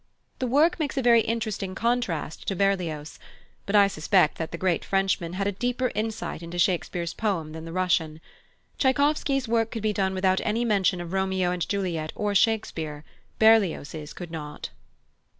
The work makes a very interesting contrast to Berlioz, but I suspect that the great Frenchman had a deeper insight into Shakespeare's poem than the Russian. Tschaikowsky's work could be done without any mention of Romeo and Juliet or Shakespeare; Berlioz's could not.